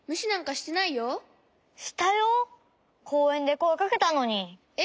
こうえんでこえかけたのに。え？